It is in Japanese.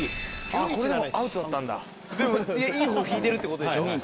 でもいいほう引いてるってことでしょ。